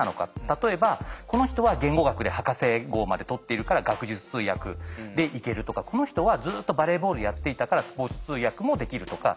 例えばこの人は言語学で博士号まで取っているから学術通訳でいけるとかこの人はずっとバレーボールやっていたからスポーツ通訳もできるとか。